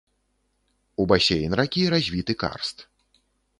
У басейн ракі развіты карст.